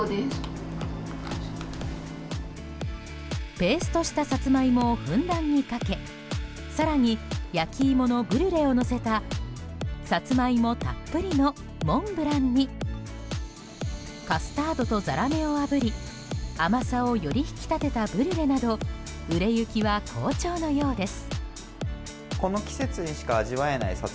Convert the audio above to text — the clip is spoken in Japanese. ペーストしたサツマイモをふんだんにかけ更に、焼き芋のブリュレをのせたサツマイモたっぷりのモンブランにカスタードとザラメをあぶり甘さを、より引き立てたブリュレなど売れ行きは好調のようです。